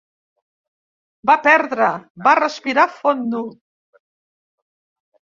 Va perdre —va respirar fondo—.